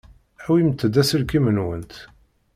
Awimt-d aselkim-nwent.